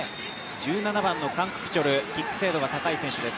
１７番のカン・ククチョル、キック精度が高い選手です。